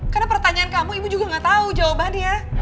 karena pertanyaan kamu ibu juga gak tau jawabannya